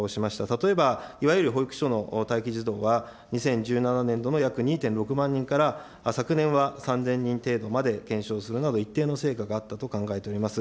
例えば、いわゆる保育所の待機児童は２０１７年度の約２．６万人から、昨年は３０００人程度まで減少するなど、一定の成果があったと考えております。